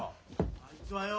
・あいつはよ